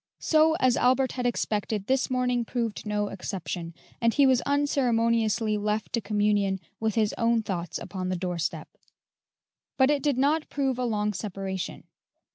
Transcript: So, as Albert had expected, this morning proved no exception, and he was unceremoniously left to communion with his own thoughts upon the doorstep; but it did not prove a long separation.